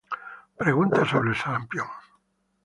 Preguntas sobre el sarampión